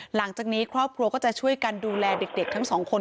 หลังจากนี้ครอบครัวก็จะช่วยกันดูแลเด็กทั้งสองคน